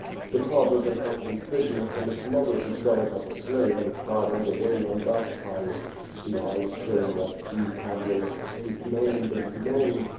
The Tartars had probably taken it from its mother to sell it as a slave and ii died on the way imbaptized. The eyes shone like two candles; it moaned and moaned.